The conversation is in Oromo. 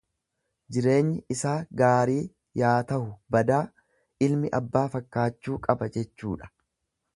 Jireenyi isaa gaarii yaa tahu badaa, ilmi abbaa fakkaachuu qaba jechuudha.